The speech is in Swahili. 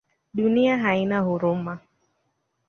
Dunia haina huruma